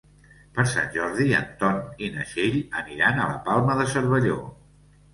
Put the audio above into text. Per Sant Jordi en Ton i na Txell aniran a la Palma de Cervelló.